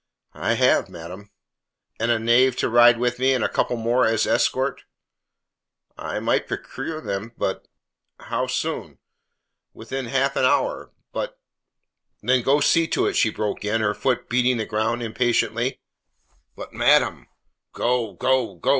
"I have, madam." "And a knave to ride with me, and a couple more as escort?" "I might procure them, but " "How soon?" "Within half an hour, but " "Then go see to it," she broke in, her foot beating the ground impatiently. "But, madam " "Go, go, go!"